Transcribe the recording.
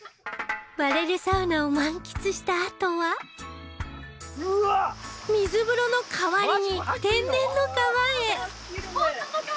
バレルサウナを満喫したあとは水風呂の代わりに天然の川へ！